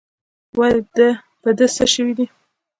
ولي په ده څه سوي دي؟